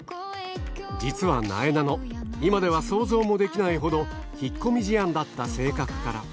実はなえなの、今では想像もできないほど引っ込み思案だった性格から。